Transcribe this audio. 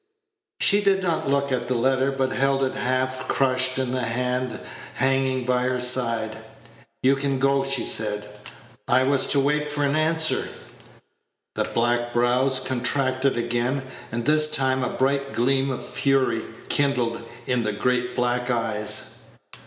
She did not look at the letter, but held it half crushed in the hand hanging by her side. "You can go," she said. "I was to wait for an answer." The black brows contracted again, and this time a bright gleam of fury kindled in the great black eyes.